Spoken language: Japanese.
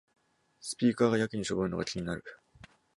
スピーカーがやけにしょぼいのが気になる